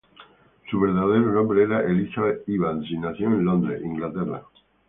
Su verdadero nombre era Elizabeth Evans, y nació en Londres, Inglaterra.